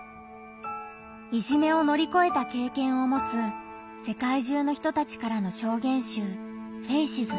いじめを乗り越えた経験を持つ世界中の人たちからの証言集「ＦＡＣＥＳ」。